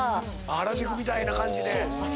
原宿みたいな感じで。